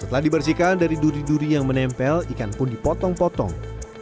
setelah dibersihkan dari duri duri yang menempel ikan pun dipotong potong